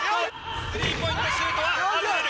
スリーポイントシュートは外れる。